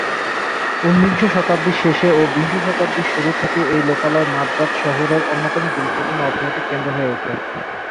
ঊনবিংশ শতাব্দীর শেষে ও বিংশ শতাব্দীর শুরু থেকে এই লোকালয় মাদ্রাজ শহরের অন্যতম গুরুত্বপূর্ণ অর্থনৈতিক কেন্দ্র হয়ে ওঠে।